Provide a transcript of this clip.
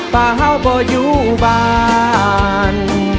ปะเฮ้าพออยู่บาน